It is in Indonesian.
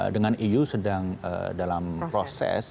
dengan eu sedang dalam proses